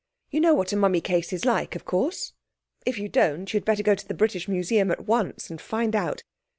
You know what a mummy case is like, of course? If you don't you had better go to the British Museum at once and find out.